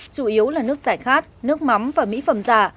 chủ yếu là nước giải khát nước mắm và mỹ phẩm giả